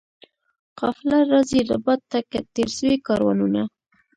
قافله راځي ربات ته که تېر سوي کاروانونه؟